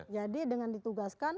jadi dengan ditugaskan